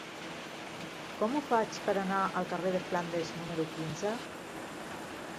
Com ho faig per anar al carrer de Flandes número quinze?